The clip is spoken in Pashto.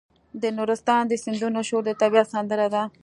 د نورستان د سیندونو شور د طبیعت سندره ده.